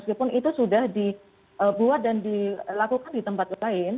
walaupun itu sudah dibuat dan dilakukan di tempat lain